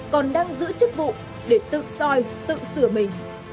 còn đang giữ chức vụ để tự soi tự sửa mình